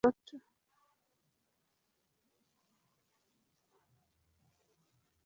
কেয়ামতের ক্ষণ শুরু হলো মাত্র!